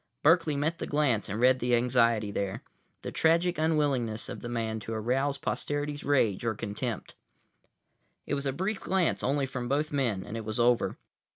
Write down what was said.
Berkeley met the glance and read the anxiety there, the tragic unwillingness of the man to arouse posterity's rage or contempt. It was a brief glance only from both men and it was over.